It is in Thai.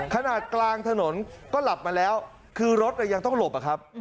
ขนาดกลางถนนก็หลับมาแล้วคือรถยังต้องหลบอะครับ